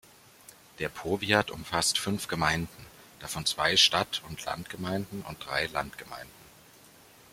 Der Powiat umfasst fünf Gemeinden, davon zwei Stadt-und-Land-Gemeinden und drei Landgemeinden.